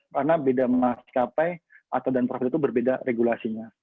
karena beda maskapai dan profit itu berbeda regulasinya